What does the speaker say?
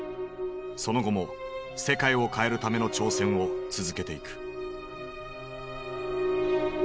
その後も世界を変えるための挑戦を続けていく。